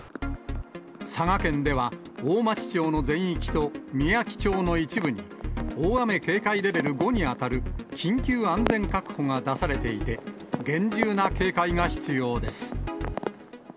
佐賀県では大町町の全域とみやき町の一部に大雨警戒レベル５に当たる緊急安全確保が出されていて、厳重な警戒が必要です。